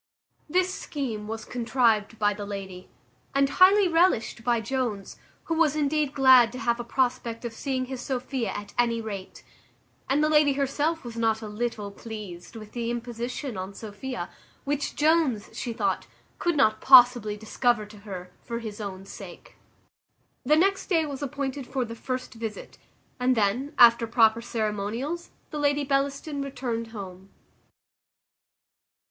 This scheme was contrived by the lady, and highly relished by Jones, who was indeed glad to have a prospect of seeing his Sophia at any rate; and the lady herself was not a little pleased with the imposition on Sophia, which Jones, she thought, could not possibly discover to her for his own sake. The next day was appointed for the first visit, and then, after proper ceremonials, the Lady Bellaston returned home.